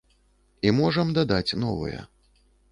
І можам дадаць новыя.